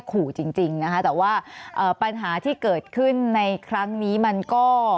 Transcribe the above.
มันก็อุ๊กอาดนะคะเพราะว่ามันประมาณ๑๑โมงเท่านั้นเอง